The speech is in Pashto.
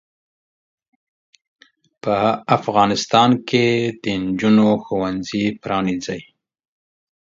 په افغانستان کې د انجونو ښوونځې پرانځئ.